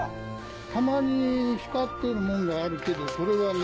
たまに光ってるもんがあるけどそれはね